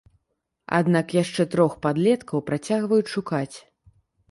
Аднак яшчэ трох падлеткаў працягваюць шукаць.